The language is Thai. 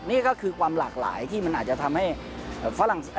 นี่ก็คือความหลากหลายที่มันอาจจะทำให้ฝรั่ง